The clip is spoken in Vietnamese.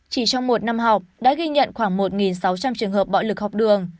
chỉ trong một năm học đã ghi nhận khoảng một sáu trăm linh trường hợp bạo lực học đường